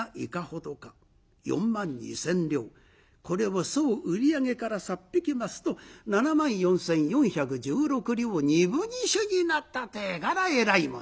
これを総売り上げからさっ引きますと７万４，４１６両２分２朱になったってえからえらいもん。